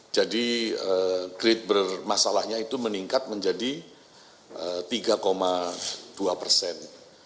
jadi kredit bermasalahnya itu meningkat menjadi tiga dua persen